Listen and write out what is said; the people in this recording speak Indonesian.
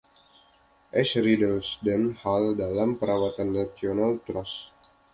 East Riddlesden Hall dalam perawatan National Trust.